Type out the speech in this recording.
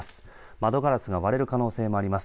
窓ガラスが割れる可能性もあります。